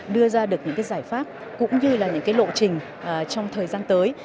đưa ra được những cái giải pháp cũng như là những cái lộ trình trong thời gian tới